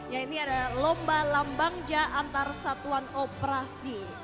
ya ini adalah lomba lambangja antar satuan operasi